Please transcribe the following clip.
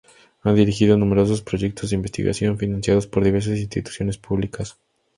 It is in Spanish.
Ha dirigido numerosos proyectos de investigación financiados por diversas instituciones públicas.